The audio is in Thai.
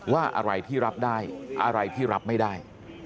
ว่าอะไรที่รับได้อะไรที่รับไม่ได้